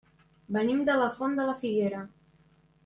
Venim de la Font de la Figuera.